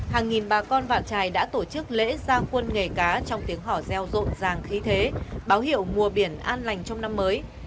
hàng nghìn bà con vạn trài đã tổ chức lễ gia quân nghề cá trong tiếng hỏ reo rộn ràng khí thế báo hiệu mùa biển an lành trong năm mới